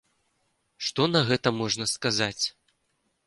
Што на гэта можна сказаць?